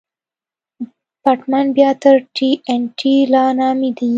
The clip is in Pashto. پټن بيا تر ټي ان ټي لا نامي دي.